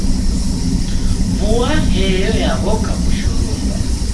Vua heyo yaw'oka kushurumba.